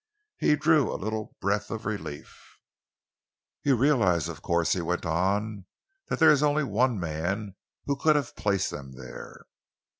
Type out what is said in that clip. He drew a little breath of relief. "You realise, of course," he went on, "that there is only one man who could have placed them there?"